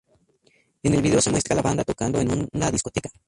En el video se muestra la banda tocando en una discoteca.